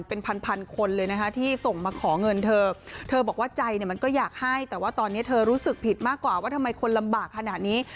เป็นพันพันคนเลยนะคะที่ส่งมาขอเงินเธอเธอบอกว่าใจเนี่ยมันก็อยากให้แต่ว่าตอนนี้เธอรู้สึกผิดมากกว่าว่าทำไมคนลำบากขนาดนี้